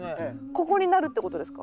ここになるってことですか？